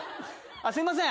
すいません